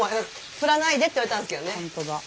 振らないでって言われたんですけどね。